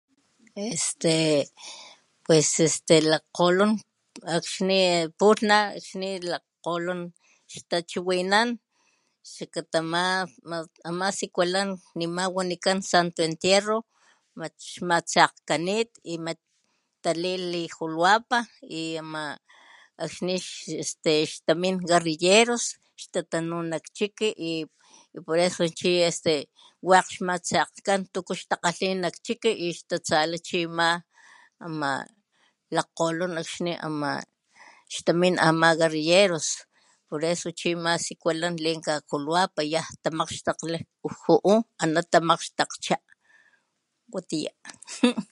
Este pues este lakgolon akxni pulha lakgolon xtachiwinan xakata ama sikulan nema wanikan santo entierro mat xmatsakgkganit mat talilh lijoloapan y ama akxni este ixtamin guerrilleros xtatanu nak chiki y y poe eso chi wakg xmatsakgkan wakg tuku xtakgalh nak chiki chali chi ama akxni lakgkgolon xtamin ama guerrilleros poe eso chi ama sikulan linka nak joloapan yan tamakgxtakgli juu ana tamakgxtakgcha watiya.